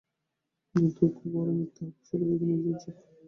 কিন্তু একটা দুঃখ বড়ো মিথ্যে হবে, সেটা থেকে নিজেকে যে করে পারি বাঁচাবই।